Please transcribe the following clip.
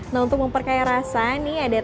nah untuk memperkaya rasa nih ada